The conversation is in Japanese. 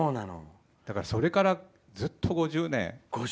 それからずっと５０年。